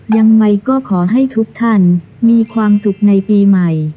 ยังไงก็ขอให้ทุกท่านมีความสุขในปีใหม่